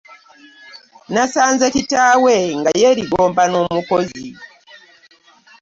Nasanze kitaawe nga yerigomba n'omukozi.